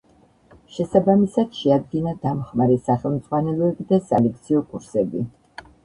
შესაბამისად შეადგინა დამხმარე სახელმძღვანელოები და სალექციო კურსები.